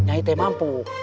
aku tidak mampu